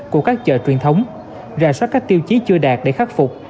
của các chợ truyền thống rà soát các tiêu chí chưa đạt để khắc phục